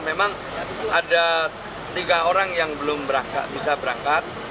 memang ada tiga orang yang belum bisa berangkat